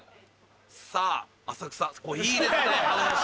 さぁ浅草いいですね花やしき。